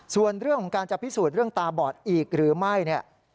ส่วนเรื่องของการจะพิสูจน์เรื่องตาบอดอีกหรือไม่เนี่ย